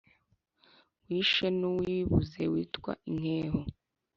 Wishe n'uwibuze witwa inkeho